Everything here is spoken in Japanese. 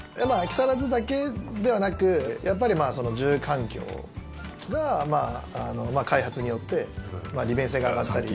木更津だけではなくやっぱり住環境が開発によって利便性が上がったり。